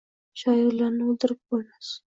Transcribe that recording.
Shoirlarni oʻldirib boʻlmas –